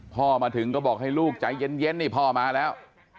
พ่อมาถึงก็บอกให้ลูกใจเย็นนี่พ่อมาแล้ว